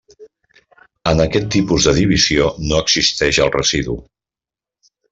En aquest tipus de divisió no existeix el residu.